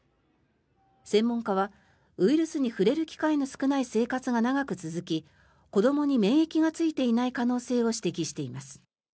専門家はウイルスに触れる機会の少ない生活が長く続き子どもに免疫がついていない可能性を指摘しています。